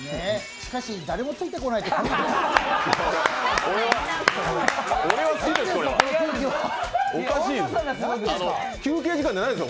しかし、誰もついてこない空気ですね。